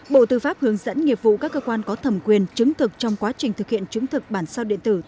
bộ tư pháp hướng dẫn nghiệp vụ các cơ quan có thẩm quyền chứng thực trong quá trình thực hiện chứng thực bản sao điện tử